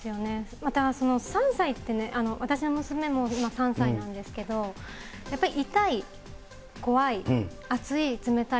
またその３歳ってね、私の娘も今３歳なんですけれども、やっぱり痛い、怖い、熱い、冷たい、